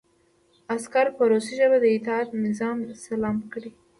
عسکر په روسي ژبه د اطاعت نظامي سلام وکړ